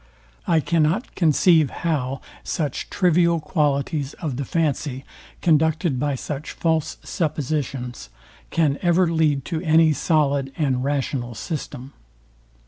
I cannot conceive how such trivial qualities of the fancy, conducted by such false suppositions, can ever lead to any solid and rational system.